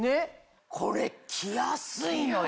これ着やすいのよ。